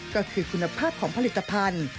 ก็คือคุณภาพของผลิตภัณฑ์